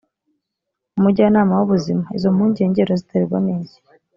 umujyanama w ubuzima izo mpungenge uraziterwa n iki